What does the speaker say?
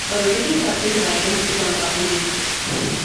A rotating subset of items is on public display.